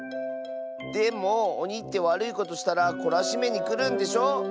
でもおにってわるいことしたらこらしめにくるんでしょ？